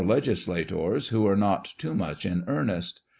legislators who are not too much in earnest.